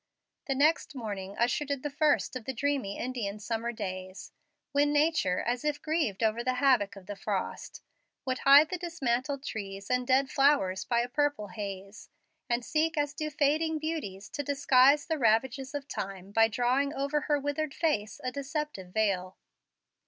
The next morning ushered in the first of the dreamy Indian summer days, when Nature, as if grieved over the havoc of the frost, would hide the dismantled trees and dead flowers by a purple haze, and seek as do fading beauties to disguise the ravages of time by drawing over her withered face a deceptive veil.